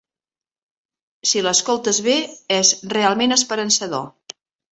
Si l'escoltes bé, es realment esperançador.